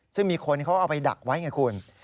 ซึ่งมีคนเขาเอาไปดักไว้ไงคุณ